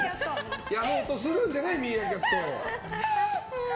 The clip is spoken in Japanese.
やろうとするんじゃないミーアキャットを。